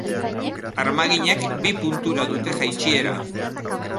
Armaginek bi puntura dute jaitsiera.